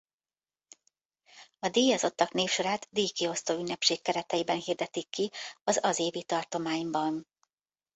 A díjazottak névsorát díjkiosztó ünnepség kereteiben hirdetik ki az az évi tartományban.